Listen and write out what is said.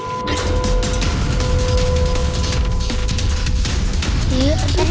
keh keh keh